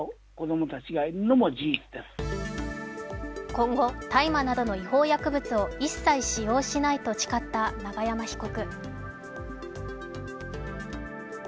今後、大麻などの違法薬物を一切使用しないと誓った永山被告。